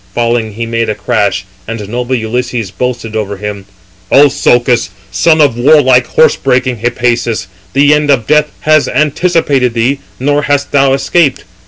Falling, he made a crash, and noble Ulysses boasted over him: "O Socus, son of warlike, horse breaking Hippasus, the end of death has anticipated thee, nor hast thou escaped.